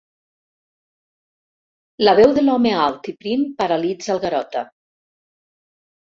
La veu de l'home alt i prim paralitza el Garota.